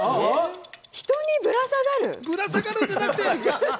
人にぶら下がる。